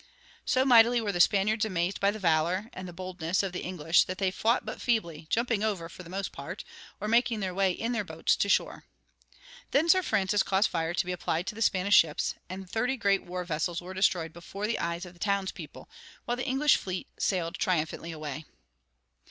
So mightily were the Spaniards amazed by the valor, and boldness of the English that they fought but feebly, jumping over for the most part, or making their way in their boats to shore. Then Sir Francis caused fire to be applied to the Spanish ships, and thirty great war vessels were destroyed before the eyes of the townspeople, while the English fleet sailed triumphantly away.